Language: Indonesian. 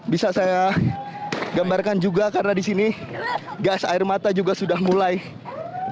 bisa saya gambarkan juga karena di sini gas air mata juga sudah mulai berubah